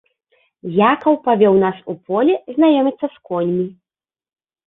Якаў павёў нас у поле знаёміцца з коньмі.